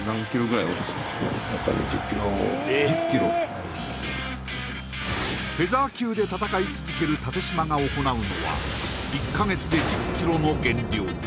はいフェザー級で戦い続ける立嶋が行うのは１か月で１０ｋｇの減量